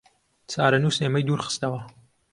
چارەنووس ئێمەی دوورخستەوە